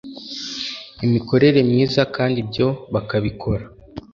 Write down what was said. imikorere myiza kandi ibyo bakabikora